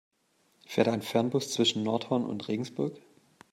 Fährt ein Fernbus zwischen Nordhorn und Regensburg?